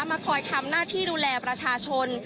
มาคอยทำหน้าที่ดูแลประชาชน